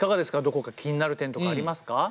どこか気になる点とかありますか？